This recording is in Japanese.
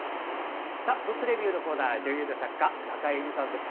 「ブックレビュー」のコーナー女優で作家の中江有里さんです。